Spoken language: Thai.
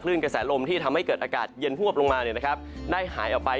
กระแสลมที่ทำให้เกิดอากาศเย็นฮวบลงมาได้หายออกไป